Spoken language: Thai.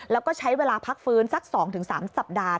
แล้วก็ใช้เวลาพักฟื้นสัก๒๓สัปดาห์